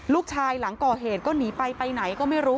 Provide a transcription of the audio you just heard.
หลังก่อเหตุก็หนีไปไปไหนก็ไม่รู้